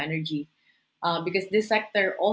energi baru dan renyubal